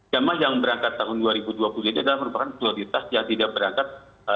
jamaah yang berangkat tahun dua ribu dua puluh ini adalah merupakan prioritas yang tidak berangkat dua ribu dua puluh